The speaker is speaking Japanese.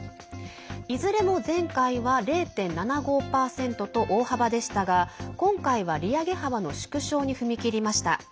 いずれも前回は０．７５％と大幅でしたが今回は利上げ幅の縮小に踏み切りました。